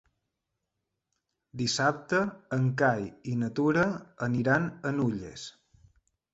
Dissabte en Cai i na Tura aniran a Nulles.